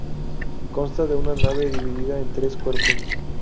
Consta de una nave dividida en tres cuerpos.